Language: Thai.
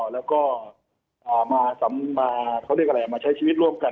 แล้วก็มาใช้ชีวิตร่วมกัน